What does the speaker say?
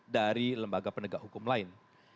dari lembaga penegak hukum lain